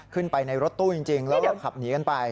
ขึ้นไปในรถตู้จริงแล้วขับหนีกันไป